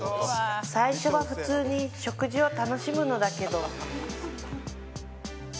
最初は普通に食事を楽しむのだけど